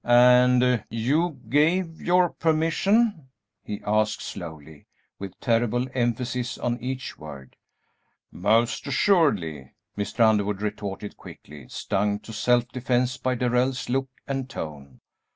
"And you gave your permission?" he asked, slowly, with terrible emphasis on each word. "Most assuredly," Mr. Underwood retorted, quickly, stung to self defence by Darrell's look and tone.